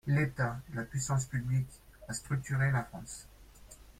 L’État – la puissance publique – a structuré la France.